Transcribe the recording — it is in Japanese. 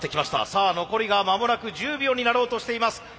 さあ残りがまもなく１０秒になろうとしています。